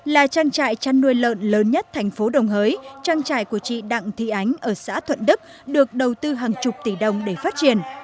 là trang trại chăn nuôi lợn lớn nhất thành phố đồng hới trang trại của chị đặng thị ánh ở xã thuận đức được đầu tư hàng chục tỷ đồng để phát triển